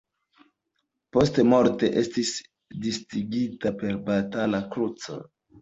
Postmorte estis distingita per Batal-Kruco.